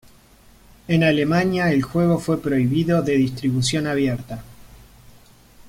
En Alemania el juego fue prohibido de distribución abierta.